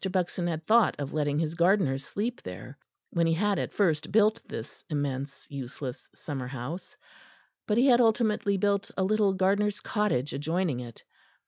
Buxton had thought of letting his gardeners sleep there when he had at first built this immense useless summer house; but he had ultimately built a little gardener's cottage adjoining it.